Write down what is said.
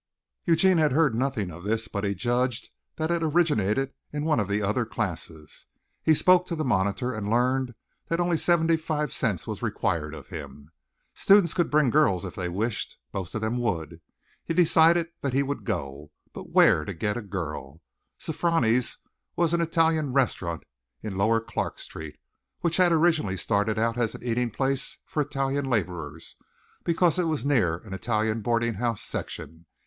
Eugene had heard nothing of this, but he judged that it originated in one of the other classes. He spoke to the monitor and learned that only seventy five cents was required of him. Students could bring girls if they wished. Most of them would. He decided that he would go. But where to get a girl? Sofroni's was an Italian restaurant in lower Clark Street, which had originally started out as an eating place for Italian laborers, because it was near an Italian boarding house section.